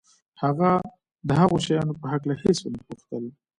هغه د هغو شیانو په هکله هېڅ ونه پوښتل